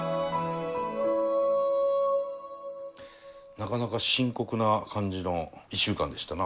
なかなか深刻な感じの１週間でしたな。